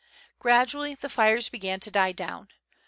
Gradually the fires began to die down.